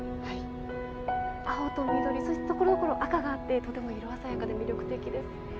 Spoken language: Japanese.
青と緑、そしてところどころ赤があってとても色鮮やかで魅力的ですね。